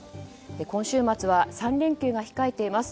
今週末は３連休が控えています。